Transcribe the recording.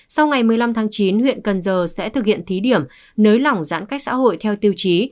sau ngày một mươi năm tháng chín huyện cần giờ sẽ thực hiện thí điểm nới lỏng giãn cách xã hội theo tiêu chí